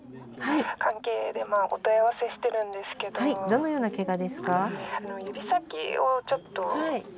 どのようなケガですか？